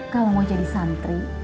kalau mau jadi santri